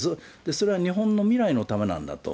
それは日本の未来のためなんだと。